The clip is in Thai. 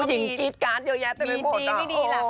ผู้หญิงกรี๊ดการ์ดเยอะแยะแต่ไม่มาแผ่นปกติ